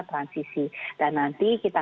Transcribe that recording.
transisi dan nanti kita